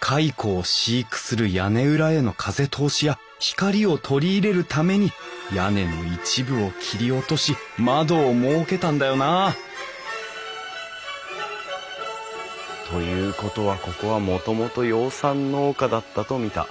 蚕を飼育する屋根裏への風通しや光を取り入れるために屋根の一部を切り落とし窓を設けたんだよなあということはここはもともと養蚕農家だったと見た。